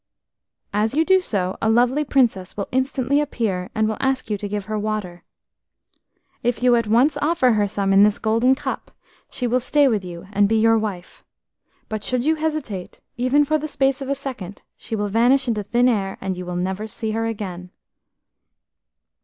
As you do so, a lovely princess will instantly appear, and will ask you to give her water. If you at once offer her some in this golden cup, she will stay with you and be your wife, but should you hesitate, even for the space of a second, she will vanish into thin air, and you will never see her again."